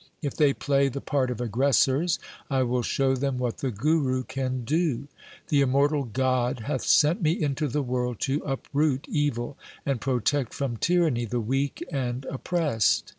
If they play the part of aggressors, I will show them what the Guru can do. The immor tal God hath sent me into the world to uproot evil and protect from tyranny the weak and oppressed.'